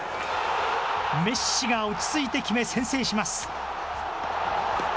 メッシが落ち着いて決め、先制します。